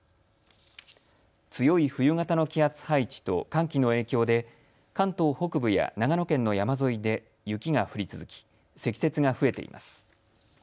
強い冬型の気圧配置と寒気の影響で関東北部や長野県の山沿いで雪が降り続き、積雪が増えています。